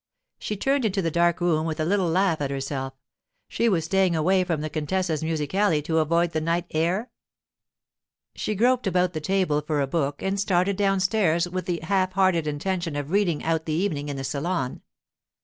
She turned into the dark room with a little laugh at herself: she was staying away from the contessa's musicale to avoid the night air? She groped about the table for a book and started downstairs with the half hearted intention of reading out the evening in the salon.